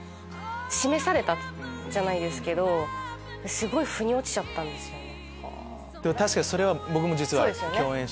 すごいふに落ちちゃったんですよね。